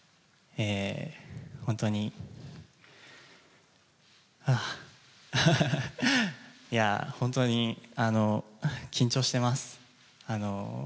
本当に、ああ、いやぁ、本当に、緊張してます。